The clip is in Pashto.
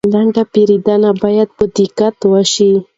لنډه پیرودنه باید په دقت وشي.